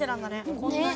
こんなに。